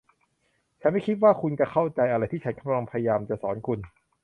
ฉันไม่คิดว่าคุณเข้าใจอะไรที่ฉันกำลังพยายามจะสอนคุณ